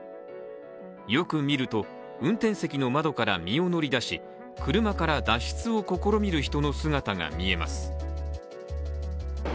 よく見ると、運転席の窓から身を乗り出し、車から脱出を試みる人の姿が見えます。